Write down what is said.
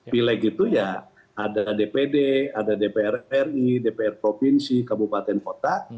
pileg itu ya ada dpd ada dpr ri dpr provinsi kabupaten kota